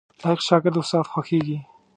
لايق شاګرد د استاد خوښیږي